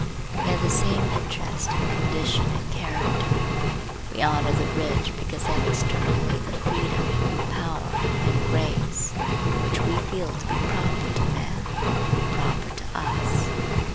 We have the same interest in condition and character. We honor the rich because they have externally the freedom, power, and grace which we feel to be proper to man, proper to us.